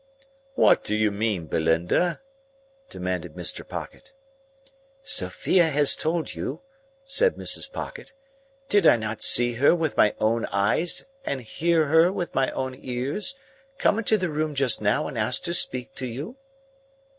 "What do you mean, Belinda?" demanded Mr. Pocket. "Sophia has told you," said Mrs. Pocket. "Did I not see her with my own eyes and hear her with my own ears, come into the room just now and ask to speak to you?"